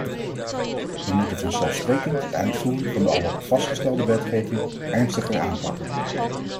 We moeten vanzelfsprekend de uitvoering van de al vastgestelde wetgeving ernstiger aanpakken.